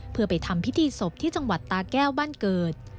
เพื่อไปทำพิธีศพที่จังหวัดตาแก้วบ้านเกิด